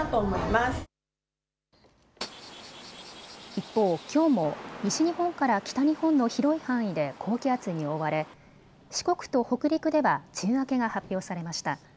一方、きょうも西日本から北日本の広い範囲で高気圧に覆われ四国と北陸では梅雨明けが発表されました。